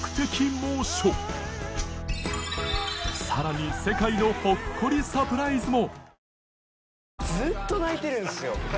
さらに世界のほっこりサプライズも